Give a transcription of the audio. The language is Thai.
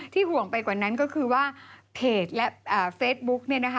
ที่ห่วงไปกว่านั้นก็คือว่าเพจและเฟซบุ๊คเนี่ยนะคะ